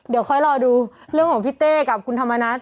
เดี๋ยวค่อยรอดูเรื่องของพี่เต้กับคุณธรรมนัฐ